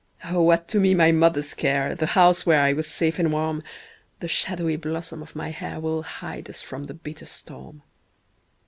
O what to me my mother's care, The house where I was safe and warm ; The shadowy blossom of my hair Will hide us from the bitter storm.